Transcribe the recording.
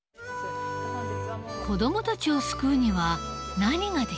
子どもたちを救うには何ができるのか。